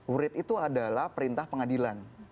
urid itu adalah perintah pengadilan